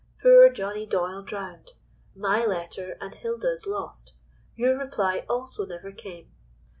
Poor Johnny Doyle drowned! my letter and Hilda's lost. Your reply also never came.